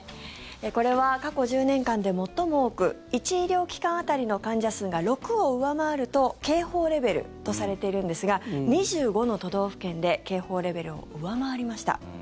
これは過去１０年間で最も多く１医療機関当たりの患者数が６を上回ると警報レベルとされているんですが２５の都道府県で警報レベルを上回りました。